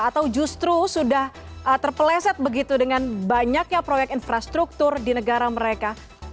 atau justru sudah terpeleset begitu dengan banyaknya proyek infrastruktur di negara mereka